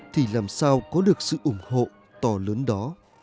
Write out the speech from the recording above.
thì làm sao có được sự ủng hộ to lớn đó